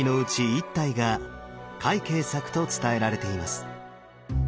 １体が快慶作と伝えられています。